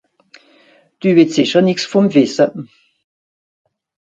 Dü wìtt sìcher nìx vùm wìsse ?